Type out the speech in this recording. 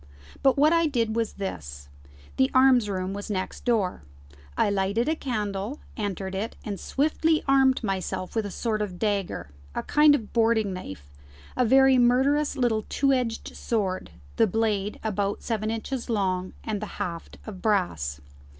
But what I did was this: the arms room was next door: I lighted a candle, entered it, and swiftly armed myself with a sort of dagger, a kind of boarding knife, a very murderous little two edged sword, the blade about seven inches long, and the haft of brass.